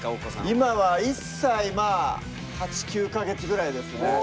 今は１歳まあ８９か月ぐらいですね。